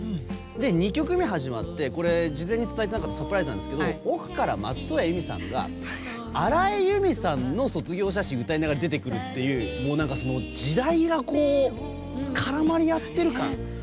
２曲目が始まって事前に伝えていなかったサプライズなんですけど奥から松任谷由実さんが荒井由実さんの「卒業写真」を歌いながら出てくるという時代が絡まり合っている感。